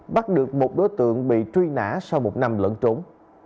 bắt được một đối tượng bị truy nã sau một năm lẫn trốn